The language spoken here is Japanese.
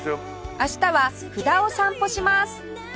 明日は布田を散歩します